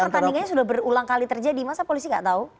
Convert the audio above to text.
karena pertandingannya sudah berulang kali terjadi masa polisi tidak tahu